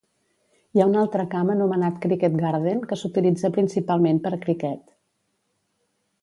Hi ha un altre camp anomenat Cricket Garden que s'utilitza principalment per a criquet.